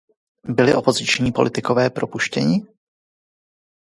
Byli opoziční politikové propuštěni?